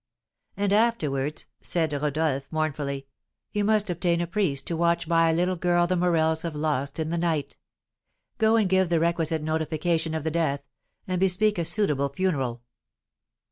"And afterwards," said Rodolph, mournfully, "you must obtain a priest to watch by a little girl the Morels have lost in the night. Go and give the requisite notification of the death, and bespeak a suitable funeral."